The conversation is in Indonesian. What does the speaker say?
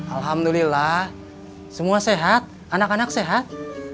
alhamdulillah semua sehat anak anak sehat